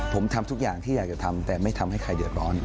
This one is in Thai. ผมทำทุกอย่างที่อยากจะทำแต่ไม่ทำให้ใครเดือดร้อน